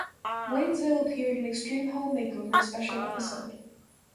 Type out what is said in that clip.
Wanyesville appeared in Extreme Home Makeover Special Episode.